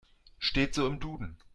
Steht so im Duden.